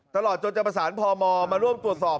ตลอดจนจะประสานพมมาร่วมตรวจสอบ